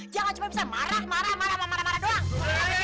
jangan cuma bisa marah marah marah doang